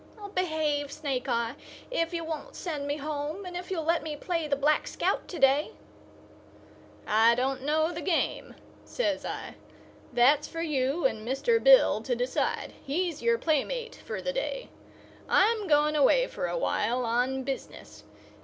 I'll behave, Snake eye, if you won't send me home, and if you'll let me play the Black Scout to day." "I don't know the game," says I. "That's for you and Mr. Bill to decide. He's your playmate for the day. I'm going away for a while, on business.